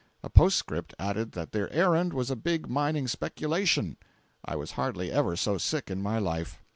A postscript added that their errand was a big mining speculation! I was hardly ever so sick in my life.